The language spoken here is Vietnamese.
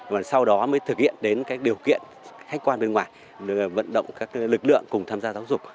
và sau đó mới thực hiện đến các điều kiện khách quan bên ngoài vận động các lực lượng cùng tham gia giáo dục